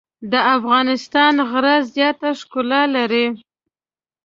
د افغانستان غره زیاته ښکلا لري.